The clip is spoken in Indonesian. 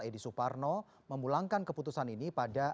edi suparno memulangkan keputusan ini pada